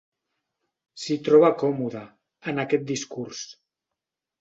S'hi troba còmode, en aquest discurs.